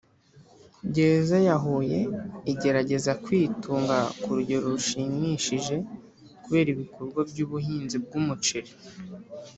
Gereza ya Huye igerageza kwitunga ku rugero rushimishije kubera ibikorwa by’ubuhinzi bw’umuceri